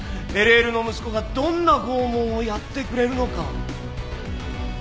ＬＬの息子がどんな拷問をやってくれるのか。